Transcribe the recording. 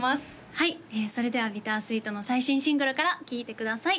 はいそれではＢｉｔｔｅｒ＆Ｓｗｅｅｔの最新シングルから聴いてください